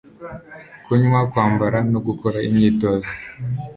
kunywa, kwambara, no gukora imyitozo